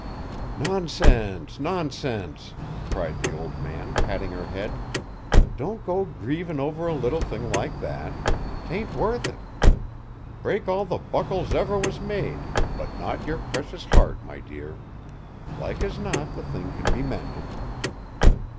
"Nonsense! Nonsense!" cried the old man, patting her hand. "Don't go grievin' over a little thing like that. 'Tain't worth it. Break all the buckles ever was made, but not your precious heart, my dear. Like as not the thing can be mended."